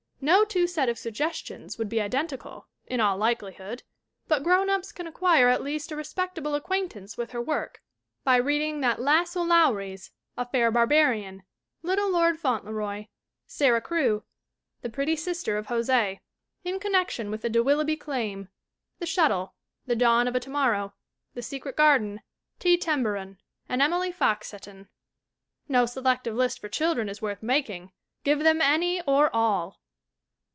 No two set of suggestions would be identical, in all likelihood, but grownups can acquire at least a respectable acquaintance with her work by reading That Lass o } Lowrie's, A Fair Barbarian, Little Lord Fanntleroy, Sara Crewe, The Pretty Sister of Jose, In Connection With the Dd Willoughby Claim, The Shuttle, The Dawn of a To Morrow, The Secret Garden, T. Tembaron and Emily Fox Seton. No selective list for children is worth making; give them any or all!